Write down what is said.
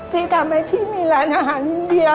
ที่ทำให้พี่มีร้านอาหารอินเดีย